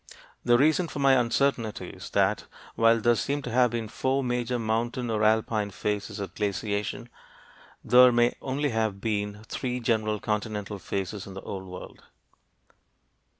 The reason for my uncertainty is that while there seem to have been four major mountain or alpine phases of glaciation, there may only have been three general continental phases in the Old World.